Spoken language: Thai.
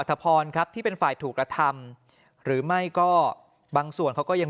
ทพรครับที่เป็นฝ่ายถูกกระทำหรือไม่ก็บางส่วนเขาก็ยัง